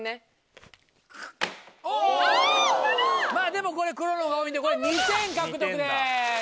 でもこれ黒の方が多いんで２点獲得です。